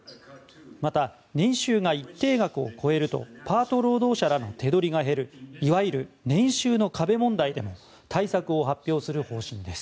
また年収が一定額を超えるとパート労働者らの手取りが減るいわゆる年収の壁問題への対策を発表する方針です。